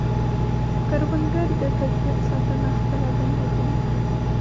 کروندګر د طبیعت ساتنه خپله دنده ګڼي